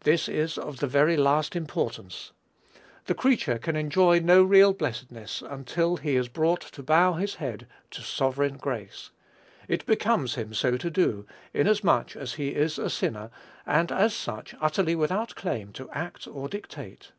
This is of the very last importance. The creature can enjoy no real blessedness until he is brought to bow his head to sovereign grace. It becomes him so to do, inasmuch as he is a sinner, and as such utterly without claim to act or dictate.